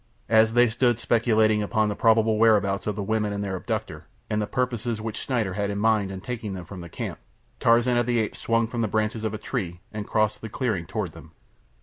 As they stood speculating upon the probable whereabouts of the women and their abductor, and the purpose which Schneider had in mind in taking them from camp, Tarzan of the Apes swung from the branches of a tree and crossed the clearing toward them.